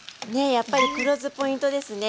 やっぱり黒酢ポイントですね。